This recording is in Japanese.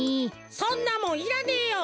そんなもんいらねえよ。